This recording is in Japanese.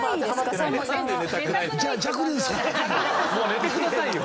もう寝てくださいよ！